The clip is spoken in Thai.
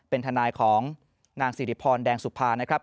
เป็นทนายของนางสิริพรแดงสุภานะครับ